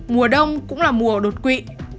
mùa đông cũng là mùa đột quỵ